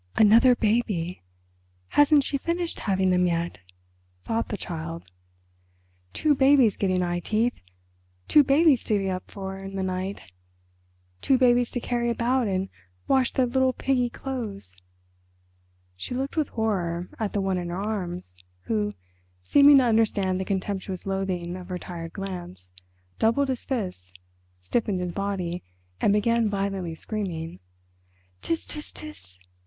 "Another baby! Hasn't she finished having them yet?" thought the Child. "Two babies getting eye teeth—two babies to get up for in the night—two babies to carry about and wash their little piggy clothes!" She looked with horror at the one in her arms, who, seeming to understand the contemptuous loathing of her tired glance, doubled his fists, stiffened his body, and began violently screaming. "Ts—ts—ts."